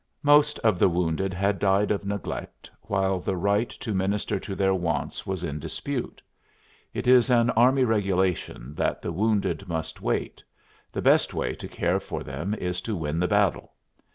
Most of the wounded had died of neglect while the right to minister to their wants was in dispute. It is an army regulation that the wounded must wait; the best way to care for them is to win the battle.